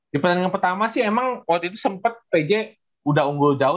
di pertandingan pertama sih emang waktu itu sempat pj udah unggul jauh